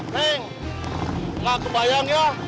neng gak kebayang ya